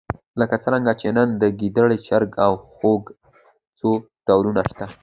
لکه څرنګه چې نن ورځ د ګېدړې، چرګ او خوګ څو ډولونه شته.